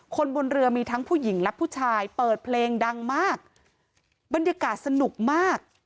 คนบนเรือมีทั้งผู้หญิงและผู้ชายเปิดเพลงดังมากบรรยากาศสนุกมาก